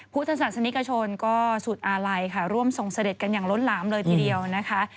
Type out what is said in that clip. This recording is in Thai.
พุทธศาสนิกชนก็สุดอาลัยค่ะร่วมส่งเสด็จกันอย่างล้นหลามเลยทีเดียวนะคะ